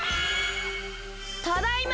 ただいま！